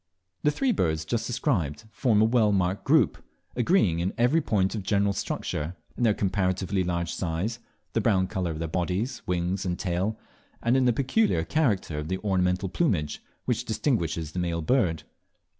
The three birds just described form a well marked group, agreeing in every point of general structure, in their comparatively large size, the brown colour of their bodies, wings, and tail, and in the peculiar character of the ornamental plumage which distinguishes the male bird.